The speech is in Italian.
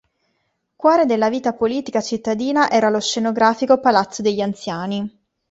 Cuore della vita politica cittadina era lo scenografico Palazzo degli Anziani.